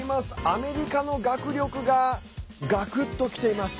アメリカの学力がガクッと、きています。